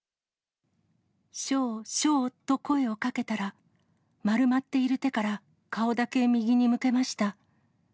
翔、翔と声をかけたら、丸まっている手から顔だけ右に向けました。